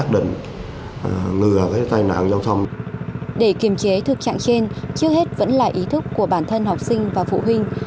để kiềm chế thực trạng trên trước hết vẫn là ý thức của bản thân học sinh và phụ huynh